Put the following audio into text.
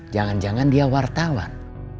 jangan jangan dia wartawan